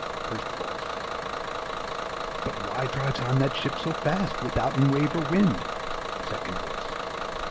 FIRST VOICE. But why drives on that ship so fast, Without or wave or wind? SECOND VOICE.